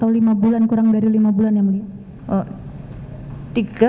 atau lima bulan kurang dari lima bulan ya mulia